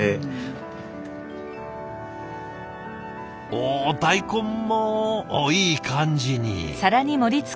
お大根もおっいい感じに。